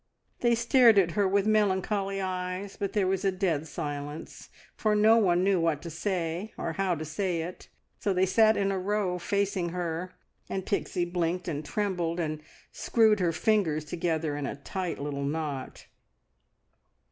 They stared at her with melancholy eyes, but there was a dead silence, for no one knew what to say or how to say it, so they sat in a row facing her, and Pixie blinked and trembled, and screwed her fingers together in a tight little knot.